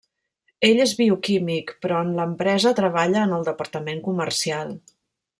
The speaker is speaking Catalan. Ell és bioquímic però en l'empresa treballa en el departament comercial.